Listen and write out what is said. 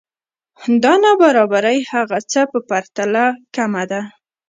دا نابرابری هغه څه په پرتله کمه ده